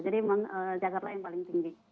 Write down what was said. jadi memang jakarta yang paling tinggi